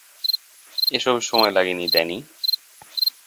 এসবে সময় লাগে, ড্যানি।